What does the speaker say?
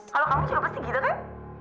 kalau kamu juga pasti gitu kan